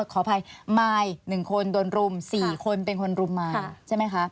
ขออภัยมาย๑คนโดนรุม๔คนเป็นคนรุมมายใช่ไหมคะ